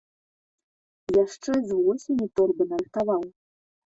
Яшчэ з восені торбы нарыхтаваў.